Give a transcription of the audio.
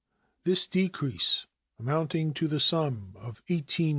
This decrease, amounting to the sum of $18,481,452.